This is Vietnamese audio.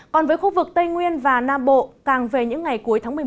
còn với khu vực tây nguyên và nam bộ càng về những ngày cuối tháng một mươi một